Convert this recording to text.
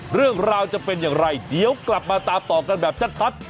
เรื่องราวจะเป็นอย่างไรเดี๋ยวกลับมาตามต่อกันแบบชัด